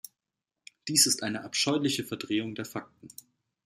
Dies ist eine abscheuliche Verdrehung der Fakten.